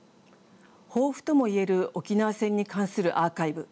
豊富とも言える沖縄戦に関するアーカイブ。